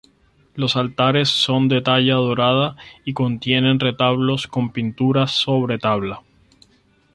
Los altares son de talla dorada y contienen retablos con pintura sobre tabla.